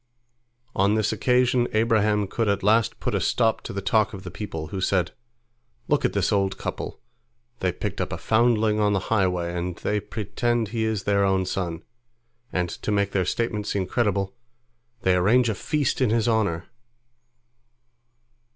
On this occasion Abraham could at last put a stop to the talk of the people, who said, "Look at this old couple! They picked up a foundling on the highway, and they pretend he is their own son, and to make their statement seem credible, they arrange a feast in his honor."